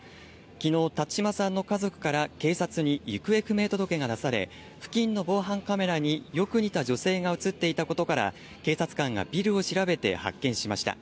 きのう、辰島さんの家族から警察に行方不明届が出され、付近の防犯カメラによく似た女性が写っていたことから、警察官がビルを調べて発見しました。